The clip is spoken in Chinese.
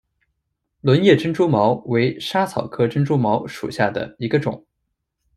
轮叶珍珠茅为莎草科珍珠茅属下的一个种。